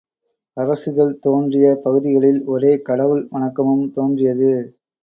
அரசுகள் தோன்றிய பகுதிகளில், ஒரே கடவுள் வணக்கமும் தோன்றியது.